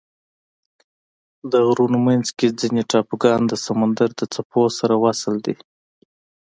د غرونو منځ کې ځینې ټاپوګان د سمندر د څپو سره وصل دي.